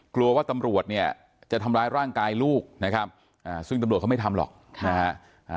กลัวว่าตำรวจเนี่ยจะทำร้ายร่างกายลูกนะครับซึ่งตำรวจเขาไม่ทำหรอกนะฮะ